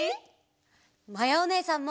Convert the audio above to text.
まやおねえさんも！